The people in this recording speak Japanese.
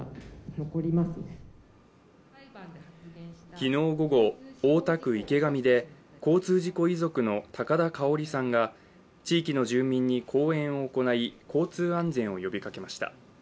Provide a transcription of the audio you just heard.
昨日午後、大田区池上で交通事故遺族の高田香さんが地域の住民に講演を行い交通安全を呼びかけました。